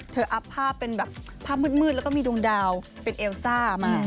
อัพภาพเป็นแบบภาพมืดแล้วก็มีดวงดาวเป็นเอลซ่ามา